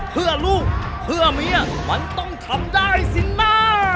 เพื่อลูกเพื่อเมียมันต้องทำได้สิแม่